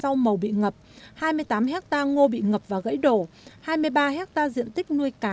rau màu bị ngập hai mươi tám hectare ngô bị ngập và gãy đổ hai mươi ba hectare diện tích nuôi cá